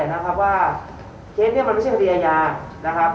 นะครับว่าเคสนี้มันไม่ใช่คดีอาญานะครับ